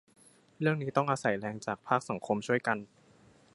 เรื่องนี้ต้องอาศัยแรงจากภาคสังคมช่วยกัน